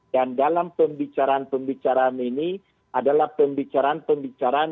dan dalam pembicaraan pembicaraan ini adalah pembicaraan pembicaraan